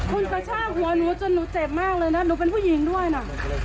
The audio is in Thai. คุณกระชากหัวหนูจนหนูเจ็บมากเลยนะหนูเป็นผู้หญิงด้วยนะ